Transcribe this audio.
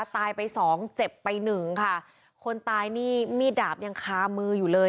ตายไปสองเจ็บไปหนึ่งค่ะคนตายนี่มีดดาบยังคามืออยู่เลย